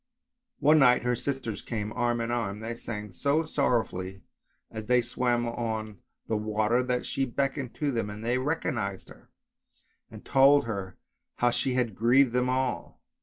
One night her sisters came arm in arm; they sang so sorrow fully as they swam on the water that she beckoned to them and they recognised her, and told her how she had grieved them all.